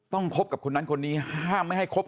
คบกับคนนั้นคนนี้ห้ามไม่ให้คบ